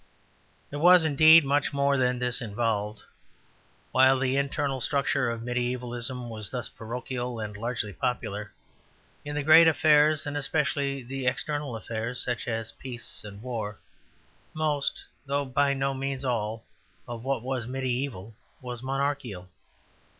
There was, indeed, much more than this involved. While the internal structure of mediævalism was thus parochial and largely popular, in the greater affairs, and especially the external affairs, such as peace and war, most (though by no means all) of what was mediæval was monarchical.